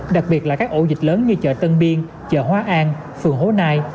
đặc biệt là các ổ dịch lớn như chợ tân biên chợ hóa an phường hố nai